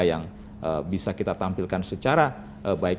yang bisa kita tampilkan secara baik